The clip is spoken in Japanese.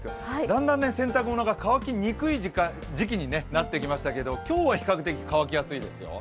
だんだん洗濯物が乾きにくい時期になってきましたけれども、今日は比較的乾きやすいですよ。